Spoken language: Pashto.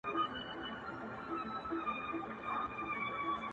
• ته هم وایه ژوند دي څرنګه تیریږي ,